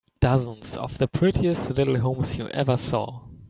Dozens of the prettiest little homes you ever saw.